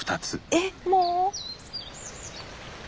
えっもう？